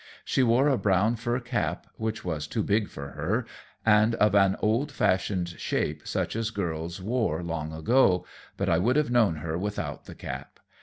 She wore a brown fur cap, which was too big for her and of an old fashioned shape, such as girls wore long ago, but I would have known her without the cap.